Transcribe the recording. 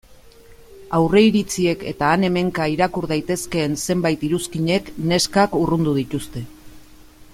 Aurreiritziek eta han-hemenka irakur daitezkeen zenbait iruzkinek neskak urrundu dituzte.